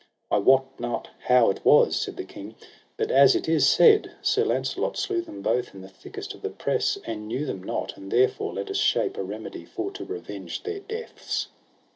I wot not how it was, said the king, but as it is said, Sir Launcelot slew them both in the thickest of the press and knew them not; and therefore let us shape a remedy for to revenge their deaths.